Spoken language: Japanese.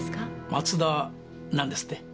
松田なんですって？